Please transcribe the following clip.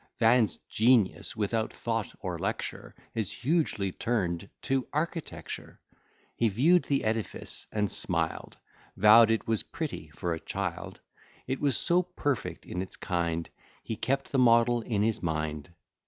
Van's genius, without thought or lecture Is hugely turn'd to architecture: He view'd the edifice, and smiled, Vow'd it was pretty for a child: It was so perfect in its kind, He kept the model in his mind.